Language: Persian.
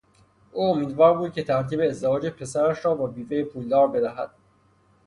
او امیدوار بود که ترتیب ازدواج پسرش را با بیوهی پولدار بدهد.